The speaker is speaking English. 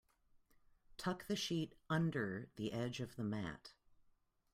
Tuck the sheet under the edge of the mat.